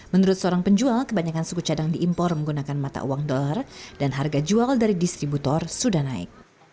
menurut seorang penjual kebanyakan suku cadang diimpor menggunakan mata uang dolar dan harga jual dari distributor sudah naik